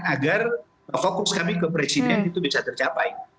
agar fokus kami ke presiden itu bisa tercapai